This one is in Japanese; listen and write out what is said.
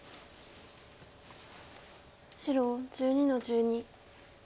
白１２の十二。